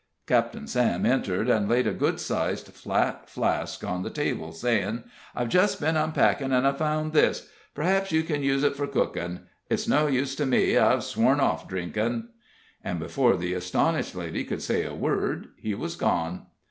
Captain Sam entered, and laid a good sized, flat flask on the table, saying: "I've just been unpackin', an' I found this; p'r'aps you ken use it fur cookin'. It's no use to me; I've sworn off drinkin'." And before the astonished lady could say a word, he was gone.